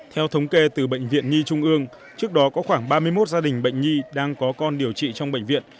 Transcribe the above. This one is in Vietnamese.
theo thống kê từ bệnh viện nhi trung ương trước đó có khoảng ba mươi một gia đình bệnh nhi đang có con điều trị trong bệnh viện